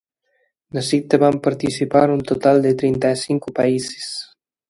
Na cita van participar un total de trinta e cinco países.